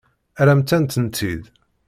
Rrant-am-tent-id.